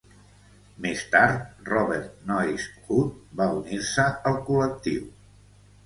Més tard, Robert "Noise" Hood va unir-se al col·lectiu.